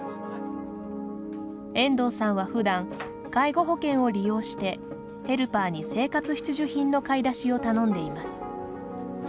遠藤さんは普段介護保険を利用してヘルパーに、生活必需品の買い出しを頼んでいます。